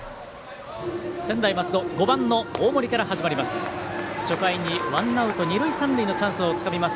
専大松戸５番の大森から始まります。